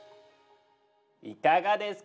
いかがですか？